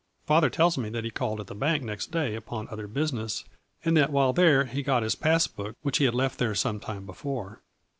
Father tells me that he called at the bank next day upon other business and that, while there, he got his pass book which he had left there some time before.